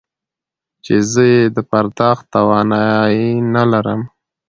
چې زه يې د پرداخت توانايي نه لرم.